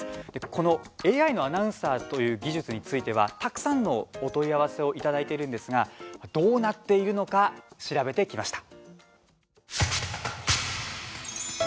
このＡＩアナウンサーという技術についてはたくさんのお問い合わせをいただいているんですがどうなっているのか調べてきました。